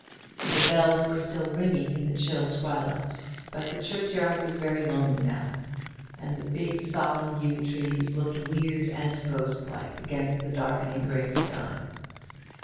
The bells were still ringing in the chill twilight; but the churchyard was very lonely now; and the big solemn yew trees looked weird and ghost like against the darkening grey sky.